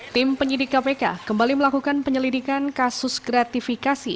tim penyidik kpk kembali melakukan penyelidikan kasus gratifikasi